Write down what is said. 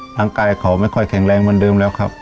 ร่างกายเขาไม่ค่อยแข็งแรงเหมือนเดิมแล้วครับ